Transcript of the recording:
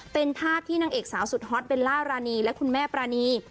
เป็นภาพที่นางเอกสาวสุดฮอตเบลล่ารานีและคุณแม่ปรานี